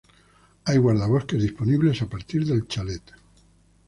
Hay guardabosques disponibles, a partir del chalet.